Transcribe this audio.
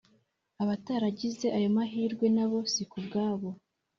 abataragize ayo mahirwe nabo sikubwabo